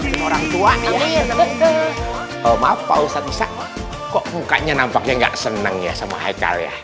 kok mukanya nampaknya gak seneng ya sama haikal ya